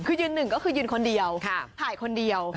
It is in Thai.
คือยืนหนึ่งก็คือยืนคนเดียวถ่ายคนเดียว